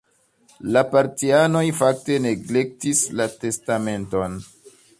La partianoj fakte neglektis la testamenton.